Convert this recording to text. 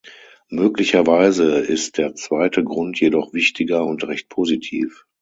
Möglicherweise ist der zweite Grund jedoch wichtiger und recht positiv.